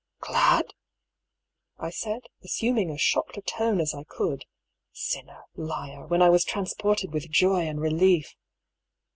" Olad f " I said, assuming as shocked a tone as I could — (sinner — liar — when I was transported with joy and relief